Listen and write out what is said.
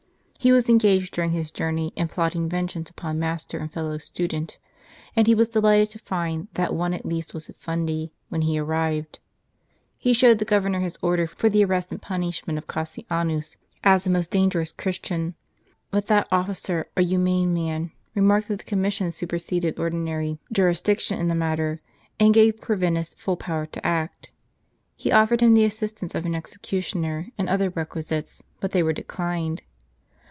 He was engaged during his journey, in plotting vengeance upon master and fellow student ; and he was delighted to find, that one at least was at Fundi, when he arrived. He showed the governor his order for the arrest and punishuient of Cassianus, as a most dangerous Christian ; but that officer, a humane man, remarked that the connnission superseded ordinary jurisdiction in the matter, and gave Cor vinus full power to act. He offered him the assistance of an executioner, and other requisites; but they were declined.